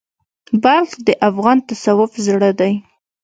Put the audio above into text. بلخ د افغان تصوف زړه دی.